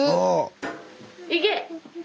いけ！